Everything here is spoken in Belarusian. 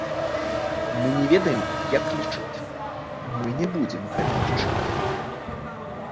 Мы не ведаем, як лічыць, мы не будзем гэта лічыць.